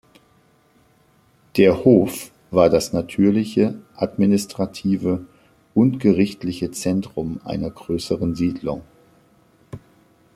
Der Hof war das natürliche, administrative und gerichtliche Zentrum einer größeren Siedlung.